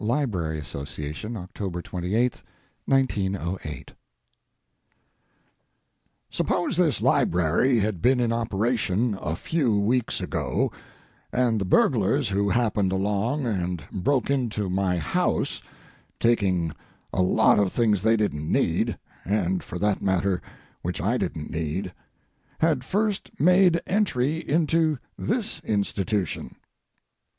LIBRARY ASSOCIATION, OCTOBER 28, 1908 Suppose this library had been in operation a few weeks ago, and the burglars who happened along and broke into my house—taking a lot of things they didn't need, and for that matter which I didn't need—had first made entry into this institution.